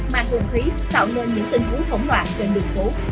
mang hồn khí tạo nên những tình huống thổng loạn trên đường phố